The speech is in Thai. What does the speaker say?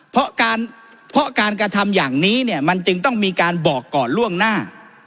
เพราะการเพราะการกระทำอย่างนี้เนี่ยมันจึงต้องมีการบอกก่อนล่วงหน้า